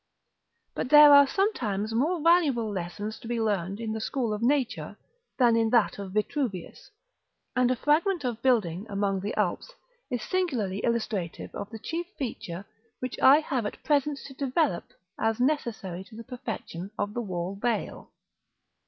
But there are sometimes more valuable lessons to be learned in the school of nature than in that of Vitruvius, and a fragment of building among the Alps is singularly illustrative of the chief feature which I have at present to develope as necessary to the perfection of the wall veil.